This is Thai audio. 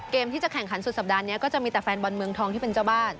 เกมที่จะแข่งขันสุดสัปดาห์นี้ก็จะมีแต่แฟนบอลเมืองทองที่เป็นเจ้าบ้าน